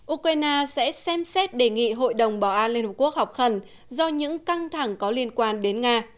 ukraine sẽ xem xét đề nghị hội đồng bảo an liên hợp quốc họp khẩn do những căng thẳng có liên quan đến nga